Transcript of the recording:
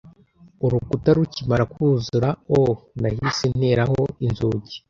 Urukuta rukimara kuzura o nahise nteraho inzugi